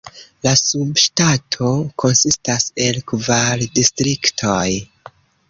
La subŝtato konsistas el kvar distriktoj.